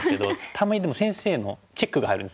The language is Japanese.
たまにでも先生のチェックが入るんですよ。